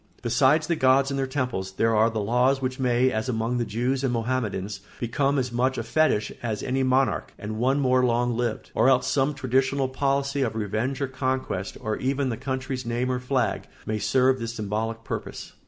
Besides the gods and their temples, there are the laws which may, as among the Jews and Mohammedans, become as much a fetich as any monarch, and one more long lived; or else some traditional policy of revenge or conquest, or even the country's name or flag, may serve this symbolic purpose.